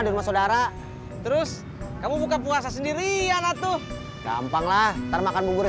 di rumah saudara terus kamu buka puasa sendirian atuh gampanglah termakan bubur